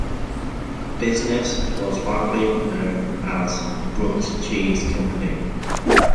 The business was widely known as the Brooks Cheese Company.